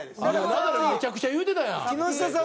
ナダルめちゃくちゃ言うてたやん。